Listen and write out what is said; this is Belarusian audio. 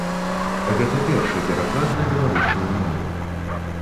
Гэта першы пераклад на беларускую мову.